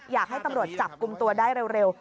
อยากให้ตำรวจจับกลุ่มตัวได้เร็ว